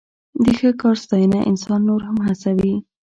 د ښه کار ستاینه انسان نور هم هڅوي.